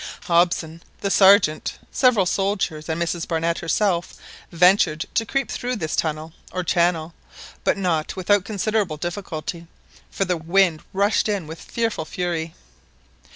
Hobson, the Sergeant, several soldiers, and Mrs Barnett herself ventured to creep through this tunnel or channel, but not without considerable difficulty, for the wind rushed in with fearful fury.